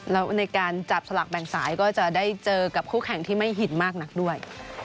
แล้วในการจับสลักแบ่งสายก็จะได้เจอกับคู่แข่งที่ไม่หินมากนักด้วย